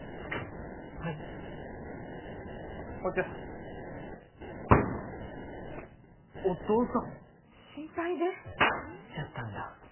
はいこんにちはお父さん心配で来ちゃったんだ